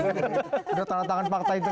sudah tanda tangan pak tainter